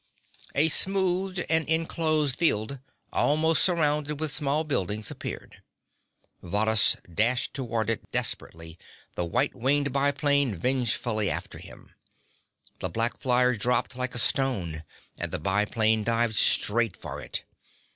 A smoothed and inclosed field, almost surrounded with small buildings, appeared. Varrhus dashed toward it desperately, the white winged biplane vengefully after him. The black flyer dropped like a stone and the biplane dived straight for it.